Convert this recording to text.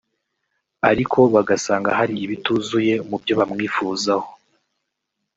ariko bagasanga hari ibituzuye mu byo bamwifuzaho